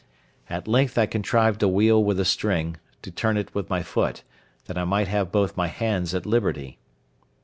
At length I contrived a wheel with a string, to turn it with my foot, that I might have both my hands at liberty.